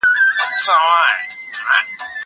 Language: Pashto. زه بايد لوښي وچوم!!